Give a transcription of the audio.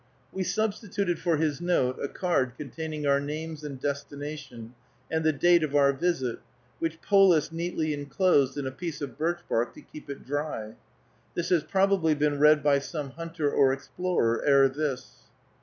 We substituted for his note a card containing our names and destination, and the date of our visit, which Polis neatly inclosed in a piece of birch bark to keep it dry. This has probably been read by some hunter or explorer ere this.